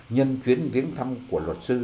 nhân chuyến viếng thăm của luật sư